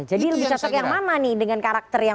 jadi lebih cocok yang mama nih